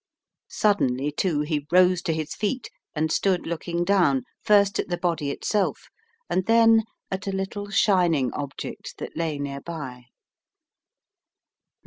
Suddenly, too, he rose to his feet, and stood look ing down, first at the body itself, and then at a little shining object that lay near by.